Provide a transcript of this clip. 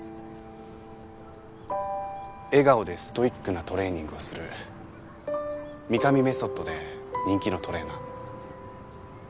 笑顔でストイックなトレーニングをする御神メソッドで人気のトレーナー。